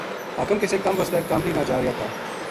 حاکم کِسے کم واسطے قامری نا جا رہیا تھا